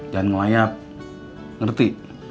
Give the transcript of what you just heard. jangan ngelayap ngerti